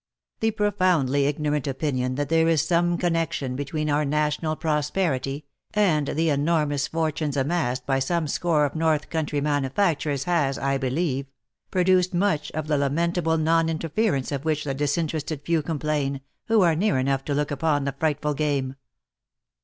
"The profoundly ignorant opinion that there is some connexion between our national prosperity, and the enormous fortunes amassed by some score of North country manufac turers has, I believe, produced much of the lamentable non interfer ence of which the disinterested few complain, who are near enough to look upon the frightful game.